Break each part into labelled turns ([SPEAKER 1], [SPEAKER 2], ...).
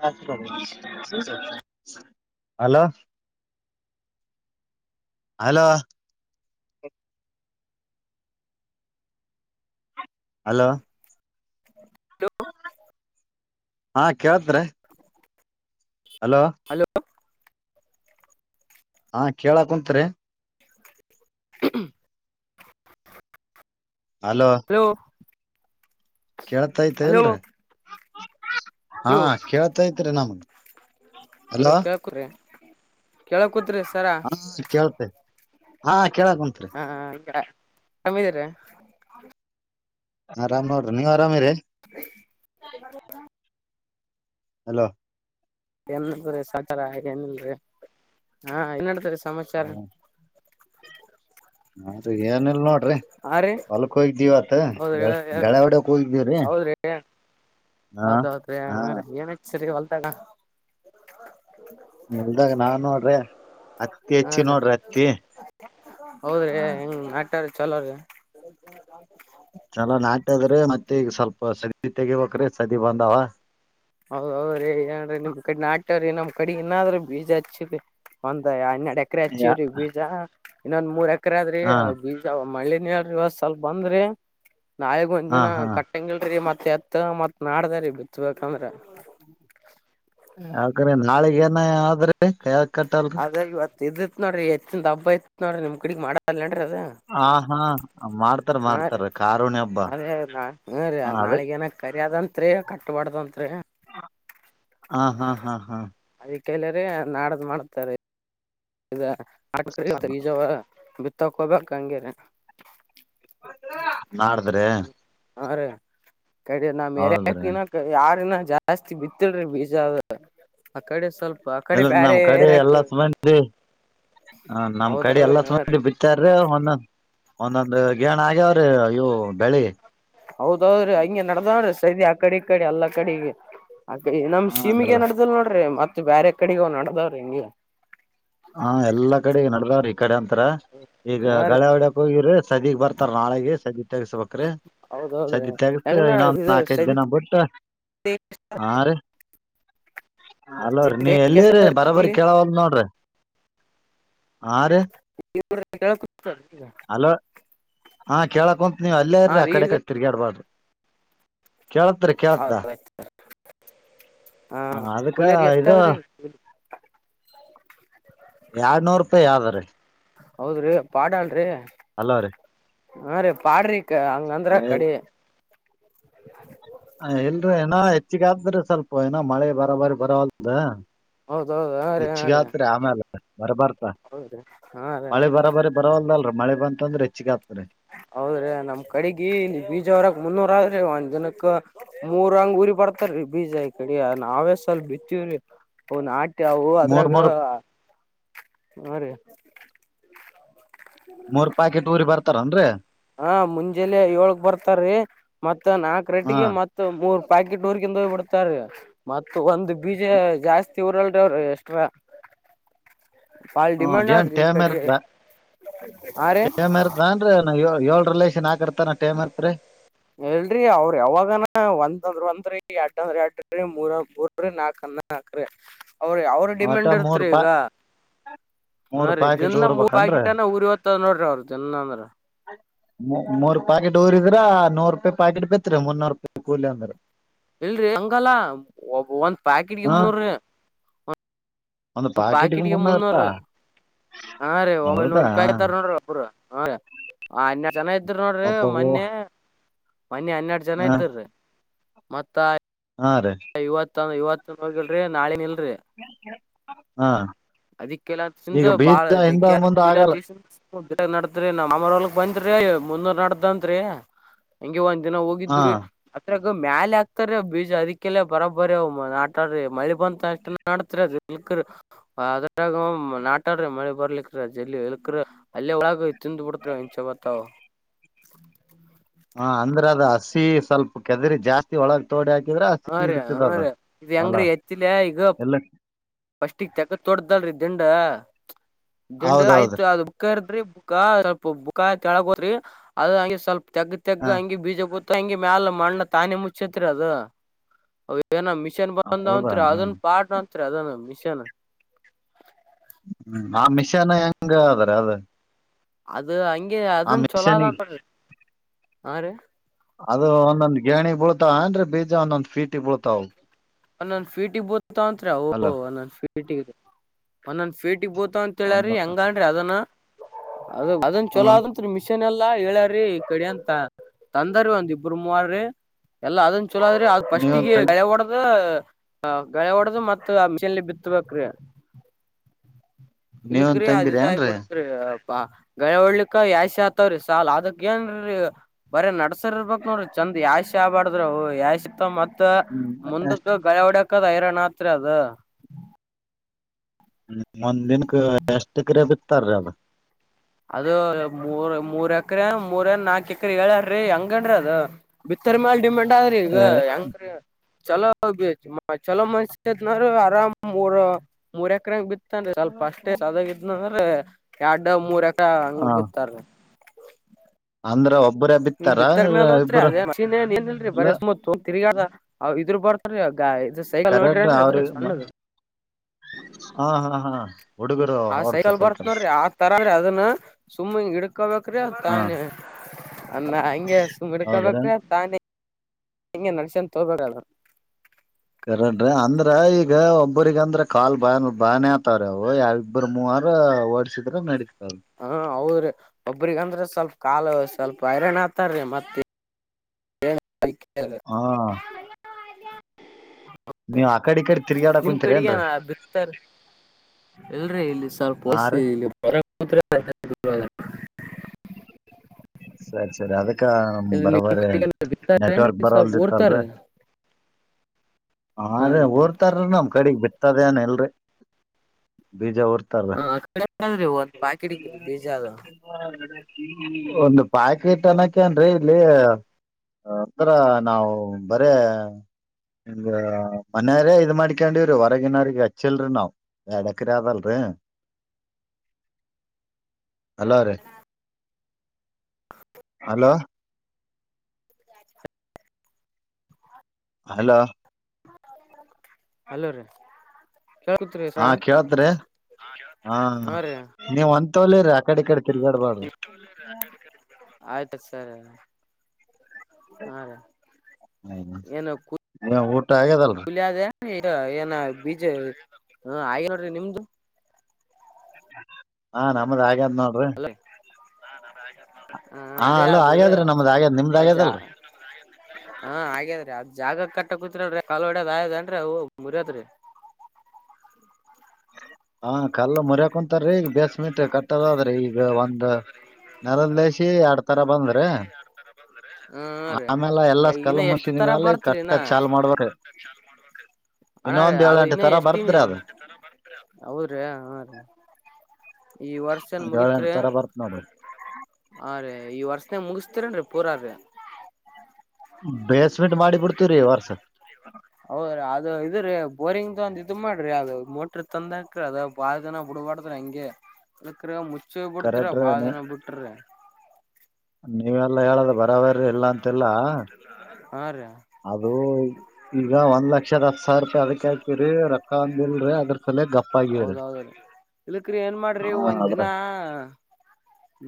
[SPEAKER 1] ಷ hello hello hello
[SPEAKER 2] ಹ
[SPEAKER 1] ಹಾ ಕೇಳ್ತ್್ರ
[SPEAKER 2] ಹಲೋ
[SPEAKER 1] ಹಾ ಕೇಳಾಕ್ ಕುಂಂತರಿ ಹಲೋ ಕೇಳ್ತೈತೆ
[SPEAKER 2] ಹಲೋ
[SPEAKER 1] ಎಲ್ರ ಹಾ
[SPEAKER 2] ಹಲೋ
[SPEAKER 1] ಕೇಳ್ತಾೈತ್ರಿ ನಮಗೆ
[SPEAKER 2] ಅದ ಕೇಳ್ಕು್ರೀ ಕೇಳ ಕುೂತ್ರಿಿ ಸರ
[SPEAKER 1] ಹಾ ಕೇಳ್ತೇ ಹಾ ಕೇಳಕ್ ಕುಂತ್ರಿ
[SPEAKER 2] ಹಾ ಈಗ ಕಮ್ಮಿದೀರ
[SPEAKER 1] ಆರಾಮ್ ನೋಡ್ರಿ ನೀವ್ ಆರಾಮಿರಿ
[SPEAKER 2] [inaudible]
[SPEAKER 1] ಹಲೋ
[SPEAKER 2] ಏನ್್ರೀ ಸಾತರ ಹಾಗ ಏನ್ಲ್ರಿ ಹಾ ಏನ್ಡ್ತರಿೀ ಸಮಾಚಾರ
[SPEAKER 1] ನಾೀ ಏನಲ್ ನೋಡ್ರಿ
[SPEAKER 2] ಹಾ ರೀ
[SPEAKER 1] ಪಲ್ಕ್ ಹೋಗ್ದಿವವತ್
[SPEAKER 2] ಹೌದ್ರಿ
[SPEAKER 1] ಮತ್ತ ಗಳ ಒಡಕ್ ಹೋಗಿದ್ದೇವ್ರೀ
[SPEAKER 2] ಹೌದ್ರಿ ಹೌದೌದ್ರಿ ಹ ರೀ ಏನಸರಿ ಹೊಲ್ತಗ
[SPEAKER 1] ಎಲ್ದಾಗ ನಾನ್ ನೋಡ್ರಿ ಅತ್ತಿ
[SPEAKER 2] ಹಾ
[SPEAKER 1] ಹೆಚ್ಚಿ
[SPEAKER 2] ರೀ
[SPEAKER 1] ನೋಡ್ರಿ ಅತ್ತಿ
[SPEAKER 2] ಹೌದ್ರಿ
[SPEAKER 1] ಹ
[SPEAKER 2] ಹೆಂಗ್ ಚಲೋ ರ
[SPEAKER 1] ಚಲ ನಾಟ್ಯದ್ರೆ ಮತ್ತೆ ಈಗ ಸ್ವಲ್ಪ ಸದ ತೆಗಿಬೇಕ್ರೆ ಸದ ಬಂದಾವ
[SPEAKER 2] ಹೌದೌ್ರೀ ಏನ್ೀ ನಿಮ್ ಕಡ ಆಟವ್ರ ನ ಕಡೆ ಇನ್ನಾದ್ರ ಬೀಜ ಹಚ್ಚ ಒಂದ್ ಹನ್ನೆರಡು ಎಕರೆ ಹಚ್ಚ್ರಿ ಬೀಜ ಇನ್ನೊಂದ್ ಮೂರ್ ಎಕರೆ ಸಕ್ಕ್ರ ಆದ್ರಿ
[SPEAKER 1] ಹಾ
[SPEAKER 2] ಬೀಜ ಮಳ್ಳಿನ ಇವ ಸ್ವಲ್ಪ ಬಂದ್ರಿ ನಾಳಗ್ ಒಂದ್
[SPEAKER 1] ಹಾ
[SPEAKER 2] ಜಿನ
[SPEAKER 1] ಹಾ
[SPEAKER 2] ಕಟ್ಟಂಗಿಲ್ರಿ ಮತ್ ಎತ್ತ ಮತ್ ನಾಡ್ದ ರೀ ಬಿತ್ಬೇಕ
[SPEAKER 1] ಹಾಗ್ರೆ ನಾಳಗ ನ ಆದ್ರೆ
[SPEAKER 2] ಅದ ಇವತ್ ಇದಿತ್ ನೋಡ್ರಿ ಹೆಚ್ಚಿನ ದಬ್ಬ ಇಐತ್ ನೋಡಿ ನಿಮ್ ಕಿಡಗ್ ಮಾಡ
[SPEAKER 1] ಹ ಹಾ ಮಾಡ್ತ
[SPEAKER 2] ಹಾ ರೀ ಅದೇಾ ಹ್ಮ ರೀ
[SPEAKER 1] ಹ ಅದಕ್
[SPEAKER 2] ನಾಳಿಗ ಏನ ಕರಿ್ಯದಂತ್ರಿ ಕಟ್ಬಾರ್ದಂತ್ರಿ.
[SPEAKER 1] ಹಾ ಹಾ ಹಾ ಹಾ.
[SPEAKER 2] ಕಲರೆ ನಾಡದ್ ಮಾಡತಾರೆ ಇದಆಗತ ಬಿಜೋವ. ತಕೋಬೇಕ ಹಂಗೇರಿ.
[SPEAKER 1] ನಾಡ್ದ್ರಿ
[SPEAKER 2] ಹ ರ ಕ ನ್
[SPEAKER 1] ಹೌದ್ರಿ
[SPEAKER 2] ಯರಕಿನ ಯಾರಿನ ಜಾಸ್ತಿ ಬಿತ್ತಲ್ಿ ಬೀಜ ಆ ಕಡೆ ಸ್ವಲ್ಪ ಆ ಕಡೆ
[SPEAKER 1] ಎಲ್ಲ
[SPEAKER 2] ಬ್ಯಾರೆ
[SPEAKER 1] ನಮ್ಮ್ ಕಡೆ
[SPEAKER 2] ಏರ್ಯಾಕ್
[SPEAKER 1] ಎಲ್ಲ ಸುಮಂದಿ ಹ ನಮ್ ಕಡೆ ಎಲ್ಲ
[SPEAKER 2] ಹೌದೌದ್ರಿ ಹಾ ರೀ
[SPEAKER 1] ಸುಮಿ ಬಿತ್ತಾರೆ ಒಂದೊ ಒಂದೊಂದು ಗೇಣ ಆಗ್ಯ ಅೆ ಅಯ್ಯೋ ಬೆಳೆ
[SPEAKER 2] ಹೌದೌದ್ರಿ ಹಂಗಗೆ ನಡದವ್ರೀ ಸೈದಿ ಆ ಕಡೆ ಈ ಕಡೆ ಅಲ್ಲ ಕಡೆಗೆ ಅ ನಮ್
[SPEAKER 1] ಹಾ
[SPEAKER 2] ಸೀಮಿಗೆ
[SPEAKER 1] ನಡ್ದ
[SPEAKER 2] ನಡ್ದಲ್ ನೋಡ್ರಿ ಮತ್ತತ್ ಬೇರೆ ಕಡೆಗ ನಡ್ದಾವ್ರಿ ಹಿಂಗಗೆ
[SPEAKER 1] ಹಾ ಎಲ್ಲಾ ಕಡೆ ನಡದಾರ ಈ ಕಡೆ ಅಂತಾರ ಈಗ
[SPEAKER 2] ಹಾ ರೀ
[SPEAKER 1] ಗಳೆ ಹೊಡಕ್ ಹೋಗಿ್ರರಿ ಸದಗ್ ಬರ್ತಾರ ನಾಳೆೆಗೆ ಸದಿ ಹಕ್ರಿ
[SPEAKER 2] ಹೌದೌದ್ರಿ
[SPEAKER 1] ಸದಿ ತಗಸ
[SPEAKER 2] ಹೆಂಗ
[SPEAKER 1] ಇನ್ನೊಂದ್
[SPEAKER 2] ಇದು
[SPEAKER 1] ನಾಕೈದ್
[SPEAKER 2] ಸದಿ
[SPEAKER 1] ದಿನ ಬಿಟ್ಟ ಹಾ ರಿ. ಅಲವ್ರೀ ನೀ ಎಲ್ಲಿರರಿ ಬರಬರಿ
[SPEAKER 2] ಕೂಲಿ
[SPEAKER 1] ಕೇಳ್ವಾಳ್ತ ನೋಡ್ರಿ. ಹಾ ರೀ ಅಲೋ
[SPEAKER 2] [inaudible]
[SPEAKER 1] ಹಾ ಕೇಳಕ್ ಕುಂತ್ ನೀವ್ ಅಲ್ಲೇ
[SPEAKER 2] ಹಾ
[SPEAKER 1] ಇರ್ರಿ ಆ
[SPEAKER 2] ರೀ
[SPEAKER 1] ಕಡೆ ಈ
[SPEAKER 2] ಈಗ
[SPEAKER 1] ಕಡೆ ತಿರ್ಗಾಡ್ಬಾರ್ದ. ಕೇೇಳತ್ರಿ ಕೇಳ್ತ.
[SPEAKER 2] ಹಾ
[SPEAKER 1] ಅದಕ್ಕ
[SPEAKER 2] ಕೂಲಿಯರ್ಗೆ
[SPEAKER 1] ಇದು
[SPEAKER 2] ಎಷ್ಟಾದ್ರಿ.
[SPEAKER 1] ಎರಡ್ನೂರ್ ರೂಪಾಯಿ ಯಾವ್ದ್ರೀ
[SPEAKER 2] ಹೌದ್ರಿ ಪಾಡ ಅಲ್ರರಿ.
[SPEAKER 1] ಅಲೋರಿ
[SPEAKER 2] ಹಾ ರೀ ಪಾಡ್ರಿ ಕ ಹಂಗಂದ್ರ ಕಡೆ. [inaudible]
[SPEAKER 1] ಹ ಇಲ್ರಿ ಏನ ಹೆಚ್ಚಿಗಾದ್ರೆ ಸ್ವಲ್ಪ ಏನ ಮಳೆ ಬರೋ ಬಾರಿ ಬರೋವಲ್ದ.
[SPEAKER 2] ಹೌದೌದ್ ಹಾ ರೀ ಹಾ
[SPEAKER 1] ಹೆಚ್ಚಗ
[SPEAKER 2] ರೀ
[SPEAKER 1] ಆತ್ರಿ ಆಮೇಲೆ. ಬರ ಬಾರತಾ
[SPEAKER 2] ಹೌದ್ರಿ ಹಾ ರೀ
[SPEAKER 1] ಮಳೆ ಬರಬರಿ ಬರವಲ್ದಲ್ರ ಮಳೆ ಬಂತಂದ್ರೆ ಹೆಚ್ಚಿಗೆ ಆತದ ರಿ.
[SPEAKER 2] ಹೌದ್ರಿ ನಮ್ ಕಡೆಗ ಇಲ್ಲಿ ಬೀಜವರಾಗ ಮುನ್ನೂರ ಆದ್ರಿ ಒಂದ್ ದಿನಕ್ಕ ಮೂರಂಗ ಬರ್ತಾರೀ ಬೀಜ ಈ ಕಡೆ ನಾವೇ ಸಲ್ ಬಿತ್ತವ್ರೀ ಅವ್ ಆ ತ್ಯಾವು
[SPEAKER 1] ಮೂರ್
[SPEAKER 2] ಅದ್ರಾಗ
[SPEAKER 1] ಮೂರ್
[SPEAKER 2] ಹಾ ರಿ.
[SPEAKER 1] ಮೂರ್ ಪ್ಯಾಕೆಟ್ ಊರಿ ಬರ್ತಾರನ್ರರಿ.
[SPEAKER 2] ಹ ಮುಂಜೆಲೆ ಏಳಗ್ ಬರ್ತಾರೀ ಮತ್ತ ನಾಕ
[SPEAKER 1] ಹಾ
[SPEAKER 2] ರೆಟಿಗೆ ಮತ್ ಮೂರ್ ಪ್ಯಾಕೆಟ್ ಊರ್ಕಿಿಂದ ಹೋಗ್ ಬಿಡ್ತಾರೀ ಮತ್ತ ಒಂದ್ ಬೀಜ ಜಾಸ್ತಿ ಊರಲ್ರಿ ಅವ್ರಿ ಎಸ್ಟ್ರಾ. ಈ ಕಡಿ ಹಾ ರೀ
[SPEAKER 1] [unintelligible] [unintelligible]
[SPEAKER 2] ಎಲ್ರರಿ ಅವ್ರ ಯಾವಾಗನ ಒಂದ್ ಅಂದ್ರ ಒಂದ್ರರಿ ಎಟಂದ್ರ ಎಟ್ರೀ ಮೂರ ಅಂದ್ರ ಮೂರೀ ನಾಕ್ಂದ ನಾಕ ರಿ ಅವ್ರ ಯಾವ್ರ
[SPEAKER 1] ಒಟ
[SPEAKER 2] ಡಿಮ್ಯಾಂಡ್
[SPEAKER 1] ಮೂರ್
[SPEAKER 2] ಇರ್ತ್ರಿ
[SPEAKER 1] ಪಾ
[SPEAKER 2] ಈಗ. ನ
[SPEAKER 1] ಮೂರ್
[SPEAKER 2] ರೀ
[SPEAKER 1] ಪ್ಯಾಕೆಟ್
[SPEAKER 2] ದಿನ್ನ ಮೂ
[SPEAKER 1] ಊರ್ಬೇಕನ್ರಿ
[SPEAKER 2] ಪಾಕಿಟ್ನ ಉಊರಿ ಹ್ತದ ನೋಡ್ರಿ ಅವ್ರ ದನ್ ಅಂದ್ರ.
[SPEAKER 1] ಮೂರ್ ಪಾಕೆಟ್ ಊರಿದ್ರ ನೂರು ರೂಪಾಯಿ ಪಾಕೆಟ್ ಬಿತ್ರಿ ಮುನ್ನೂರು ರೂಪಾಯಿ ಕೂಲಿ ಅಂದ್ರ.
[SPEAKER 2] ಇಲ್ರಿ ಹಂಗಲ್ಲ ಒಬ್ಬ ಒಂದ್ ಪ್ಯಾಕೆಟ್ಗೆ
[SPEAKER 1] ಹಾ
[SPEAKER 2] ಮುನ್ನೂರೀ.
[SPEAKER 1] ಒಂದ್
[SPEAKER 2] ಒಂದ ಪಾಕೆಟ್ಗೆ
[SPEAKER 1] ಮುನ್ನೂರ್
[SPEAKER 2] ಮುನ್ನೂರು ಹಾ ರೀ
[SPEAKER 1] ಹೌದಾ
[SPEAKER 2] ಒೈನೂರು ಪ್ಯಾಕೆಟ್ ಅರ ನೋಡ್ರ ಒಬ್ಬರು. ಹ ಆ ಹನ್ಯಾಡ ಜನ ಇದ್ರ ನೋಡ್ರಿ
[SPEAKER 1] ಪಾಪವು
[SPEAKER 2] ಮೊನ್ನೆ. ಮನ್ನಿ ಹನ್ನೆರಡ ಜನ
[SPEAKER 1] ಹಾ
[SPEAKER 2] ಇದ್ದರಿ ಮತ್ತ.
[SPEAKER 1] ಹಾ ರೀ.
[SPEAKER 2] ಇವತ್ತು ನ ಹೋಗಿಲ್ರಿ ನಾಳೆ ನಿಲ್.
[SPEAKER 1] [inaudible]
[SPEAKER 2] [unintelligible]
[SPEAKER 1] ಈಗ ಬೀಜ ಹಿಂದ ಮುಂದ ಆಗಲ್ಲ
[SPEAKER 2] ನಡತ್ರಿ ನಮ್ ಅಮರ ಒಳಗ್ ಬಂದರಿ ಮುನ್ನೂರ್ ನಡ್ದಂತ್ರಿ ಹೆಂಗಿ ಒಂದ ದಿನಾ
[SPEAKER 1] ಹಾ
[SPEAKER 2] ಹೋಗಿದ್ದು ರಿ ಅತ್ರಗ ಮ್ಯಾಲ ಹಾಕ್ತಾರಿ ಬೀಜ ಅದಕ್ [unintelligible] ನಾಟಾಡ್ರಿ ಮಳೆ ಬರ್ಲಿಕ್ಕ್ರ ಜಲ್ಲಿ ಇಕ್ರ ಅಲ್ಲೇ ಒಳಗ [unintelligible]
[SPEAKER 1] ಹ ಅಂದ್ರೆ ಅದ ಹಸಿ ಸ್ವಲ್ಪ ಕೆದರಿ ಜಾಸ್ತಿ ಒಳಗ್ ತೋಡೆ ಹಾಕಿ ಿದ್ರೆ
[SPEAKER 2] ಹಾ
[SPEAKER 1] ಹಸತಿ
[SPEAKER 2] ರೀ
[SPEAKER 1] ಇಡತದ
[SPEAKER 2] ಹಾ
[SPEAKER 1] ಅದ
[SPEAKER 2] ರೀ ಇದ್
[SPEAKER 1] ಅಲ್ಲ ಎಲ್ಲ
[SPEAKER 2] ಫಸ್ಗ್ ಚಕ್ಕ ತೊಡ್ದಲ್ರಿ ದಿಂಡ ದಿಂಡ ಆಯ್ತು
[SPEAKER 1] ಹೌದೌದ್ರಿ
[SPEAKER 2] ಅದ ಬುಕ್ಕದ್ರಿ. ಸ್ವಲ್ಪ ಬುಕ್ಕಾಯ ತೆಳ ಹೋದ್ರಿ ಅದ ಹ ಸ್ವಲ್ಪ ತೆಗ್ ತೆಗ್ಗ
[SPEAKER 1] ಹಾ
[SPEAKER 2] ಹಂಗಿ ಬೀಜ ಬ ಮಂಗಿ ಮ್ಯಾಲ ಮಣ್ಣ ತಾನಿ ಮುಚ್ಚತ್ರಿ ಅದು ಅವ ಏನ. ಮಿಷನ್ ಬಂದ್
[SPEAKER 1] ಹೌದಾ
[SPEAKER 2] ಅಂತ್ರಿ
[SPEAKER 1] ಹ್ಮ್
[SPEAKER 2] ಅದನ್ ಪಾಟ ಅತ್ರಿ ಅದನ್ ಮಿಷನ್.
[SPEAKER 1] ಹ್ಮ ಆ ಮಿಶಾನ ಹೆಂಗ ಅದ್ರ ಅದ.
[SPEAKER 2] ಅದು ಹಂಗೆ
[SPEAKER 1] ಆ
[SPEAKER 2] ಅದನ್
[SPEAKER 1] ಮಿಷನ್
[SPEAKER 2] ಚೊಲೋದಂತಿ ಹ್ ರಿ.
[SPEAKER 1] ಅದು ಒಂದೊಂದ್ ಗೇಣಿಗ ಬೀಳ್ತಾವ ಅನ್ರಿ ಬೀಜ ಒಂದೊಂದ್ ಫೀಟಿ ಬೀಳ್ತಾವ.
[SPEAKER 2] ಒಂದೊಂದ ಫೀಟಿಗ ಬೀಳ್ತಾವ ಅತ್ತ್ರ ಅವು
[SPEAKER 1] ಅಲ್ಲ
[SPEAKER 2] ಒಂದೊಂದ ಫೀಟಿಗರಿ ಒನ್ ಫೀಟಿಗ ಅಂತ ಹೇಳ್ರರಿ
[SPEAKER 1] ಒಂದ್-
[SPEAKER 2] ಹೆಂಗನ್ರಿ ಅದನ್ನ ಅದು ಅದನ್
[SPEAKER 1] ಹಾ
[SPEAKER 2] ಚಲೋ ಆದಂತ್ ಮಿಷನ್ಲ್ಲ ಲ್ಲ ಹೇಳಾರ್ರಿ ಈ ಕಡ ಅಂತ ತಂದರೀ ಒಂದ್ ಇಬರು ಮೂವಿ ಎಲ್ಲ ಅದಂ ಚಲ್ರೆ
[SPEAKER 1] ನೀವೊಂದ್ ತಂದ್
[SPEAKER 2] ಅ್ಫಸ್ಟ್ಿಗೆಳ ಳೆ ಹೊಡೆದು ಮತ್ತ ಆ ಮಿಷನ್ಲಿ ಬಿತ್ಬೇಕ್ರಿ
[SPEAKER 1] ನೀವೊಂದ್
[SPEAKER 2] ಇಲ್ಕ್್ರೀ ಅಜ
[SPEAKER 1] ತಂದಿರಿ ಏನ್ರಿ
[SPEAKER 2] ಆಗ್ಬಿಡ್ತ್ರಿ ಳ ಹೊಳಿಕ ಯಾಾಸಿ ಆತವ್ರಿ ಸಾಲ್ ಅದಕ್ಕ ಏನ್ೀ ಬರ ನಡ್ಸರ್ ಇರ್ಬೇಕಕ್ ನೋಡ್ರಿ ಚಂದ ಒ ಯಾ ಯಬಾರಡ್ರ್ ಯಾ ಮ
[SPEAKER 1] ಹ್ಮ್
[SPEAKER 2] ಮುಂದಕ್ಕೆ ಗಗಳ ಹೊಡಕದ ಹೈರರಣಾತ್ ಅದು
[SPEAKER 1] ಹ್ಮ ಒಂದಿನ ಕ ಎಷ್ಟು ಕ್ರ ಬಿ ಇತ್ತಾರೀ ಅದ
[SPEAKER 2] ಅದು ಮೂರ್ ಮೂರ್ ಎಕ್ರ ಮೂರನ್ ನಾಕ ಎಕ್ರ ಹೇಳಾರಿ ಹಂಗನ್ಿ ಅದ ಬಿತ್ತರ್ ಮೇಲ್ ಡಿಮೆಂಡಟ್ ಆದ್ರಿ ಈಗ ಹೆಂಗ್ರೀ ಚಲೋ ಬಿ ಚಲೋ ಮನ್ಷತ್ನಾರ ಆರಾಮ್ ಮೂರ ಮೂರ ಅಕಂಗ ಬಿತ್ತನ್ೀ ಸ್ವಲ್ಪ ಅಷ್ಟೇ ಚದಾಗಿದ್ಂದ್ರ ಎರಡ್ ಮೂರ ಎಕ ಅಂಗ
[SPEAKER 1] ಹ
[SPEAKER 2] ಬಿತಾರ
[SPEAKER 1] ಅಂದ್ರ ಒಬ್ಬರೇ
[SPEAKER 2] ಹ
[SPEAKER 1] ಬಿತ್ತಾರ
[SPEAKER 2] ಬಿತ್ತರ್ ಮೇಲ್ ಹತ್ರಿ
[SPEAKER 1] ಇಬ್ರು
[SPEAKER 2] ಅದಏಲ್ರಿ
[SPEAKER 1] ಇಲ್ಲ
[SPEAKER 2] ಬರ ಸು ತಿಗ ಇದ್ರರು ಬರ್ತಾರೀ ಇದು ಸೈಕಲ್
[SPEAKER 1] ಕರೆಕ್ಟ್
[SPEAKER 2] ಮಟ್ರ
[SPEAKER 1] ಅವ್ರಿಗೆ
[SPEAKER 2] ಸ್ಣದು
[SPEAKER 1] ಹಾ ಹಾ ಹಾ ಹುಡುಗರು
[SPEAKER 2] ಆ
[SPEAKER 1] ಓಡ್ಸ
[SPEAKER 2] ಸೈಕಲ್ ಬರ್ತ್ ನೋಡ್ರಿ ಆ ತರೀ ಅದನ್ನ ಸುಮ್ಮಂಗ ಹಿಡ್ಕೊಬೇಕ್ರಿ ಅ
[SPEAKER 1] ಹಾ
[SPEAKER 2] ತಾನೇ ಅ ಹಂಗೆ
[SPEAKER 1] ಹೌದ್ರ
[SPEAKER 2] ಸುಮ್ಿಡ್ಕೊಬೇಕ್ರ ತಾನೇ ಹಂಗ ನಡಸನ್ ತೋಬಾಗದ
[SPEAKER 1] ಕರೆಂ ಅಂದ್ರ ಈಗ ಒಬ್ಬರಿಗಂದ್ರ ಕಾಲ್ ಬ ಬಾನೇ ಆತವ್ರ ಅವು ಯಾವಿಬ್ಬರು ಮೂವ ಓಡ್ಸಿದ್ರ ನಡೀತ
[SPEAKER 2] ಹಾ ಹೌದ್ರಿ ಒಬ್ರಿಗಂದ್ರ ಸ್ವಲ್ಪ ಕಾಲು ಸ್ವಲ್ಪ ಹೈರಣಾಣ್ ಆತಾರೀ ಮತ್ತೆ
[SPEAKER 1] ಹಾ
[SPEAKER 2] ಹ
[SPEAKER 1] ನೀವು್ ಆ ಕಡಿಕ
[SPEAKER 2] ನಿಮ್ ಕಡಗನ ಬಿರ್ತಾರ ಇಲ್ರಿ ಇಲ್ಲಿ ಸ್ವಲ್ಪ
[SPEAKER 1] ಹಾ
[SPEAKER 2] ವಯ್ಸ
[SPEAKER 1] ರೀ
[SPEAKER 2] ಕೀ ಕೀ
[SPEAKER 1] ಸರಿ ಸರಿ ಅದಕ್ಕ
[SPEAKER 2] ನಿಮ್
[SPEAKER 1] ಬರೋಬರಿ
[SPEAKER 2] ಕಡೆಗೆ
[SPEAKER 1] ನೆಟ್ವರ್ಕ್
[SPEAKER 2] ಬಿತ್ತಾರೇನ್ರಿ ಸ್ವಲ್ಪ
[SPEAKER 1] ಬರಲ್ದಿತ್ತಲ್ರ
[SPEAKER 2] ಊರ್ತಾರೀ ಹಾ
[SPEAKER 1] ಹ
[SPEAKER 2] ರೀ
[SPEAKER 1] ಊರ್ತಾರ ನಮ ಕಡಗ್ ಬಿತ್ತದ ಅನ್ ಎಲ್ರಿ ಬೀಜ ಊರ್ತ ಅಲ್ಲ
[SPEAKER 2] ಹ ಆ ಕಡೆ ಅದ್ರಿ ಒಂದ್ ಪಾಕಿಟ್ರಿ ಬೀಜ ಅದು
[SPEAKER 1] ಒಂದು ಪ್ಯಾಕೆಟ್ ಅನಕನ್ರಿ ಇಲ್ಲಿ ಅದರ ನಾವು ಬರೇ ನಿನ್ಂಗ ಮನೆಯಾರೇ ಇ ಇದ್ ಮಾಡ್ಕೊಂಡಿವ್ರೀ ಹೊರಗಿನಾರಗೆ ಹಚ್ಚಲ್ರಿ ನಾವ್ಡಕ್ರ ಆದದಲ್ರಿ ಹಮ್ ಅಲೋ ರೀ ಅಲೋ
[SPEAKER 2] ನಾಚಿಕೆ
[SPEAKER 1] ಅಲ
[SPEAKER 2] ಹಲೋ ರ
[SPEAKER 1] ಹಾ ಕೇೇಳತ್ರಿ ಹ
[SPEAKER 2] ಹಾ
[SPEAKER 1] ನೀವ್ ಒಂತೋಲರಿೀ ಆ ಕಡೆ ಈ ಕಡೆ ತಿರ್ಗಾಡ್ಬಾರ್ರಿ
[SPEAKER 2] ಆಯ್ತತ್ ಸರ್. ಹಾ ರ
[SPEAKER 1] ಹ್ಮ ಊಟ ಆಗ್ಯದಲ್ರಿ
[SPEAKER 2] ಏನುದ. ಈಗ ಏನ ಬೀಜ ಹ ಆ ನೋಡ್ರಿ ನಿಮ್ದು
[SPEAKER 1] ಹಾ ನಮದ್ ಹಾಗದ್ ನೋಡ್ರಿ
[SPEAKER 2] ಹಾಾ ಹ್ಮ
[SPEAKER 1] ಹಾ
[SPEAKER 2] ಅದೇ
[SPEAKER 1] ಅಲೋ
[SPEAKER 2] ಅದು ಇದು
[SPEAKER 1] ಆಗ್ಯದ್ರಿ ನಮ್ದ್ ಆಗ್ಯದ್ ನಿಮ್ದ್
[SPEAKER 2] ಅಜ್ಜ
[SPEAKER 1] ಆಗ್ಯದಲ್ರಿ
[SPEAKER 2] ಹ ಹಾಗಾದ್ರಿ ಅ ಜಾಗ ಕಟ್ಟ ಕುೂತ್ರಿಲ್ರಿ ಕಾ ಹೊಡ್ಯದ್ ಆಯದೇನ್ರೀ ಹ ಮುರಿ್ಯತ್ರಿ
[SPEAKER 1] ಹಾ ಕಲ್ಲು ಮುರಿ್ಯಕ ಕುಂತಾರೀ ಈಗ ಬೇಸ್ಮೆಂಟ್ ಕಟ್ಟದದ್ರಿ ಈಗ ಒಂದ್ ನೆಲದ ದಸಿ ಎರಡ್ ತರ ಬಂದ್ರೆ
[SPEAKER 2] ಹಾ ರೀ
[SPEAKER 1] ಆಮೇಲೆ ಎಲ್ಲಾ
[SPEAKER 2] ಇನ್ನ
[SPEAKER 1] ಸ್ಕಲ್ಲ
[SPEAKER 2] ಎಷ್ಟ್
[SPEAKER 1] ಮುಸಿದ
[SPEAKER 2] ತರ
[SPEAKER 1] ಮ್ಯಾಲ ಈ
[SPEAKER 2] ಬರ್ತ್ರಿ
[SPEAKER 1] ಕಟ್ಟ
[SPEAKER 2] ಇನ್ನ
[SPEAKER 1] ಚಾ ಮಾಡುವಾರ
[SPEAKER 2] ಅಣ್ಣ ರ ಅದು ಇನ್ನ
[SPEAKER 1] ತರ
[SPEAKER 2] ಎಷ್ಟಿನ.
[SPEAKER 1] ಬರ್ತ್ರಿ ಅದ
[SPEAKER 2] ಹೌದ್ರೀ ಹ ರೀ. ಈ ವರ್ಷನ
[SPEAKER 1] ಏಳ ಎಂಟ
[SPEAKER 2] ಮುಗತ್್ರೆ
[SPEAKER 1] ತರ ಬರ್ತ್ ನೋಡ್ರಿ
[SPEAKER 2] ಆ ರೆ ಈ ವರ್ಷ. ಮುಗಿಸತರನ್ೀ ಪರಾರ.
[SPEAKER 1] ಬೇಸ್ಮೆಂಟ್ ಮಾಡಿ ಬಿಡ್ತವ್ರೀ ವರ್ಸ.
[SPEAKER 2] ಹೌದ್ರೀ ಅದು ಇದ್ರೀ ಬೋರಿಂಗ್್ದ ಒಂದ ಇದ್ ಮಾಡ್ರಿ ಅದು ಮೋಟ್ರ ತಂದಾಕ್ರಿ ಅದ ಬಾಳ ಜನ ಬಿಡಬ. ತ್ರ ಹಂಗೆ ಅಕ್ರ ಮುಚ್ಚ ಬಿಡ್ತರ
[SPEAKER 1] ಕರೆಕ್ಟ್
[SPEAKER 2] ಬಾಳ ಜನ ಬಿಟ್ರಿ.
[SPEAKER 1] ನೀವ. ಎಲ್ಲ ಹೇಳದ ಬರಬರಿ ಎಲ್ಲ ಅಂತೆಲ್ಲ
[SPEAKER 2] ಹಾ ರೀ
[SPEAKER 1] ಅದು. ಈಗ ಒಂದ್ ಲಕ್. ಒಂದಿಲ್ರಿ ಅದ್ರ ಸಲೆ ಗಪ್ಪ ಆಗಿವ್ರಿ
[SPEAKER 2] ಹೌದೌದುದು ಇ ಕ್ರಿಯ. ಏನ್ ಮಾಡ್ರಿ
[SPEAKER 1] ಹಾ
[SPEAKER 2] ಒಂದ್
[SPEAKER 1] ಅದ್ರ
[SPEAKER 2] ದಿನ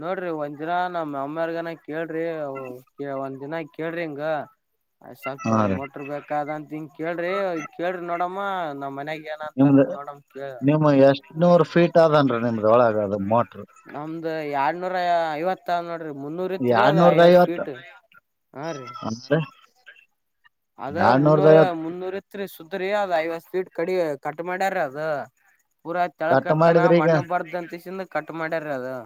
[SPEAKER 2] ನೋಡ್ರಿ ಒಂದ್ಿನ. ನಮ್ಮ ಅಮ್ಮ್ಯಾರ್ಗನ ಕೇಳ್ರಿ ಒಂದ್ ದಿನ ಕೇಳ್ರಿ ಹಿಂಗ. ಅ್ ಸ್ವಲ್ಪ
[SPEAKER 1] ಹಾ ರೀ
[SPEAKER 2] ಮೋಟರ್ ಬೇಕಾದಂತ ಹಿಂಗ ಕೇಳ್ರಿ ಕೇಳ್ರಿ ನೋಡಮ್ಮ ನಮ್ಮ್ ಮನೆ.
[SPEAKER 1] ನಿಮ್ದ ನಿಮ ಎಷ್ಟ್ ನೂರ್ ಫೀಟ್ ಆದದನ್ ನಿಮ್ದ ಒಳಗ ಅದು ಮೋಟ್ರ.
[SPEAKER 2] ನಮ್ದು ಎರಡ್ನೂರ ಐವತ್ತು ನೋಡಿ. ೀ ಮುನ್ನೂರ ತ್ರಿ ಅದ
[SPEAKER 1] ಎರಡ್ನೂರ್ದ
[SPEAKER 2] ಐವತ್ತು
[SPEAKER 1] ಐವತ್
[SPEAKER 2] ಫೀಟ್ ಹಾ ರೀ.
[SPEAKER 1] ಅಂದ್ರೆ
[SPEAKER 2] ಅದ
[SPEAKER 1] ಎರಡ್ನೂರ್ದ
[SPEAKER 2] ಮುನ್ನೂರ
[SPEAKER 1] ಐವತ್
[SPEAKER 2] ಮುನ್ನೂರತ್ ಸ. ೀ ಅದ್ ಐವತ್ತು ಸ್ೀಟ್ ಕಡಿ ಕಟ್ ಮಾಡ್ಯಾರ ಅದ. ಪೂರಾ
[SPEAKER 1] ಕಟ್
[SPEAKER 2] ತಳ್ಕತ್ತನ
[SPEAKER 1] ಮಾಡಿದ್ರಿ ಈಗ
[SPEAKER 2] ಮಣ್ಣ ಬರ್ದಂತಸಿಂದ ಕಟ್ ಮಾಡ್ಯಾರ ಅದು.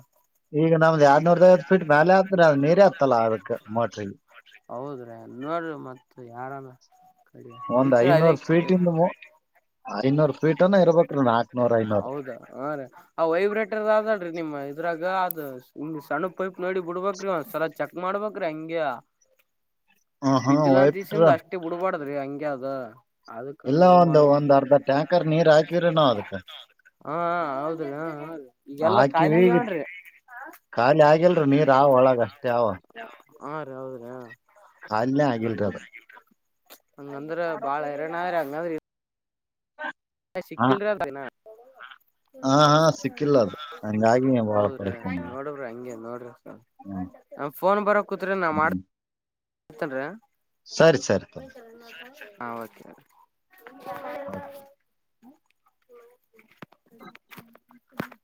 [SPEAKER 1] ಈಗ ನಮ್ದ ಎರಡ್ನೂರ ೈವತ್ತು ಫೀಟ್ ಮೇಾಲ ಆದತ್್ರೆ ಅ್ ನೀರ ಆತ್ತತಲ್ಲ ಅದಕ್ ಮೋಟ್ರಲ್ಲಿ.
[SPEAKER 2] ಹೌದ್ರನ್ನೋಡ್ ಮತ್ತ ಯಾರಾಮ.
[SPEAKER 1] ಒಂದ್ ಐನೂರು ಫೀಟ ಇಿಂದ ಐನೂರು
[SPEAKER 2] ಹೌದಾ ಹ ರ ಆ ವೈಬ್ರೇಟರ್ ಆದಡ್ರಿ ನಿಮ್ಮ ಇದ್ರಾಗ ಈಗ ಅದು ಹಂಗ್ ಸಣ್ಣ ಪೈಪ್ ನೋಡಿ ಬಿಡ್ಬೇಕ್ರೀ ಒಂದ್ಸಲ ಚೆಕ್ ಮಾಡ್ಬ್ರಿ ಹಂಗಗೆ
[SPEAKER 1] ಹ ಹಾ
[SPEAKER 2] ಬಿದ್ದಲಾ
[SPEAKER 1] ಒಯ್ಬಿಟ್ರ
[SPEAKER 2] ಅಂತಸಿಂದ ಅಷ್ಟೇ ಬಿಡ್ಬಾಡ್ದ್ರಿ ಹಂಗಗೆ ಅದ ಅದಕ್ಕ
[SPEAKER 1] ಇಲ್ಲ
[SPEAKER 2] ಇದು
[SPEAKER 1] ಒಂದು ಒಂದ್
[SPEAKER 2] ಮಾಡ್ಬೇಕ್ರಿ
[SPEAKER 1] ಅರ್ಧ ಟ್ಯಾಂಕರ್ ನೀರ್ ಹಾಕಿವ್ರಿ ನಾವ್ ಅದಕ್
[SPEAKER 2] ಹಾ ಹೌದ್ರ ಈಗೆಲ್ಲಾ
[SPEAKER 1] ಹಾಕಿವಿ
[SPEAKER 2] ಕಾಯಿಲೆಗವನ್.
[SPEAKER 1] ಖಾಲಿ ಆಗಿಲ್ರಿ ನೀರ್ ಆ ಒಳಗ ಅಷ್ಟೇ ಅವ
[SPEAKER 2] ಹಾ ರೀ ಹೌದ್ರಿ.
[SPEAKER 1] ಕಾಲಿನೇ ಆಗಿಲ್ರಿ ಅದ.
[SPEAKER 2] ಹಂಗಂದ್ರ ಬಾಳ ಹರರಣ್ಣ್ರ ಹಂಗಾದ್ರ.
[SPEAKER 1] ಹ
[SPEAKER 2] ಸಿಕ್ಕಲ್ರನ.
[SPEAKER 1] ಹಾ ಹಾ ಸಿಕ್ಕಿಲ್ಲ ಅದು ಹಂಗಾಗಿ
[SPEAKER 2] ಹೌದ್ರಿ ನೋಡಬ್ರಿ ಹಂಗೆ ನೋಡ್ರಿ.
[SPEAKER 1] ಹ್ಮ.
[SPEAKER 2] ಫೋನ್ ಬರೋ ಕೂತ್ರೆ ನಾ ಮಾಡ್. ಹತನ್ರೀ
[SPEAKER 1] ಸರಿ ಸರಿ ತೊ
[SPEAKER 2] ಹಾ. [unintelligible] ಹಾ.